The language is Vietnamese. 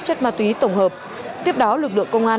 chất ma túy tổng hợp tiếp đó lực lượng công an